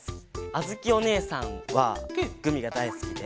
あづきおねえさんはグミがだいすきで。